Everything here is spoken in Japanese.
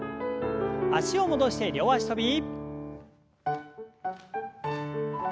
脚を戻して両脚跳び。